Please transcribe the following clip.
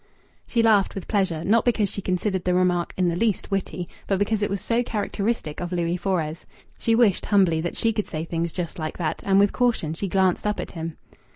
She laughed with pleasure, not because she considered the remark in the least witty, but because it was so characteristic of Louis Fores. She wished humbly that she could say things just like that, and with caution she glanced up at him.